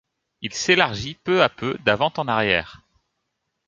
Il s'élargit peu à peu d'avant en arrière.